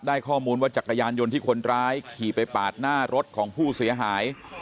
ข้อมูลว่าจักรยานยนต์ที่คนร้ายขี่ไปปาดหน้ารถของผู้เสียหาย